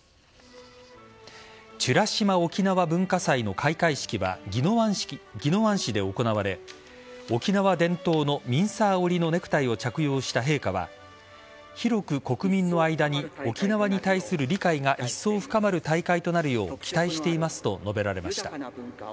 美ら島おきなわ文化祭の開会式は宜野湾市で行われ沖縄伝統のミンサー織りのネクタイを着用した陛下は広く国民の間に沖縄に対する理解がいっそう深まる大会となるよう期待していますと述べられました。